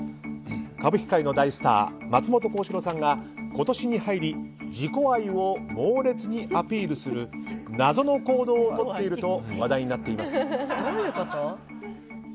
歌舞伎界の大スター松本幸四郎さんが今年に入り自己愛を猛烈にアピールする謎の行動をとっていると話題になっています。